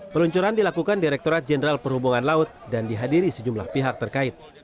peluncuran dilakukan direkturat jenderal perhubungan laut dan dihadiri sejumlah pihak terkait